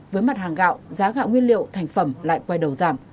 với mặt hàng gạo giá gạo nguyên liệu thành phẩm lại quay đầu giảm